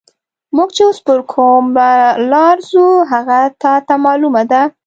موږ چې اوس پر کومه لار ځو، هغه تا ته معلومه ده؟